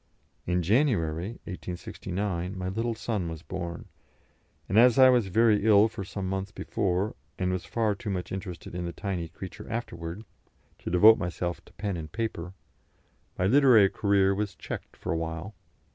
In January, 1869, my little son was born, and as I was very ill for some months before, and was far too much interested in the tiny creature afterwards, to devote myself to pen and paper, my literary career was checked for a while.